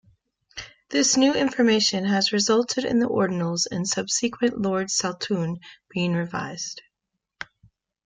This new information has resulted in the ordinals in subsequent Lords Saltoun being revised.